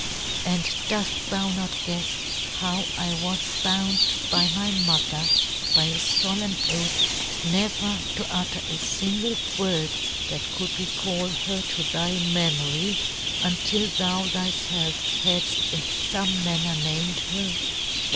And doft thou not guefs how I was bound" by my mother, by a folemn oath, never to utter a lingle word that could recall her to thy me mory, until thou thyfelf hadft in fome manner named her